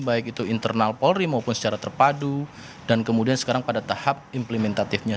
baik itu internal polri maupun secara terpadu dan kemudian sekarang pada tahap implementatifnya